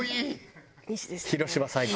広島最高！